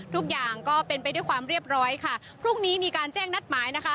ทุกอย่างก็เป็นไปด้วยความเรียบร้อยค่ะพรุ่งนี้มีการแจ้งนัดหมายนะคะ